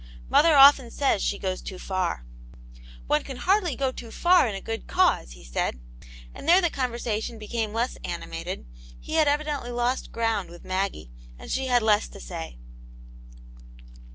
"Mother often says she goes too far/' " One can hardly go too far in a good cause," he said, and there the conversation became less ani mated ; he had evidently lost ground with Maggie, and she had less to say.